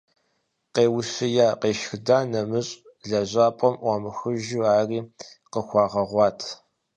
Къеущия, къешхыда нэмыщӏ, лэжьапӏэм ӏуамыхужу, ари къыхуагъэгъуат.